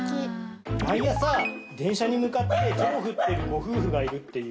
毎朝電車に向かって手を振ってるご夫婦がいるっていう。